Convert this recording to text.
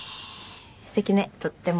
すてきねとっても。